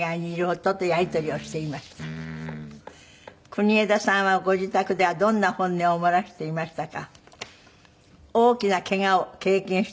「国枝さんはご自宅ではどんな本音を漏らしていましたか？」